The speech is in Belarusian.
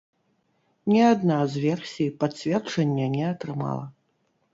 Ні адна з версій пацверджання не атрымала.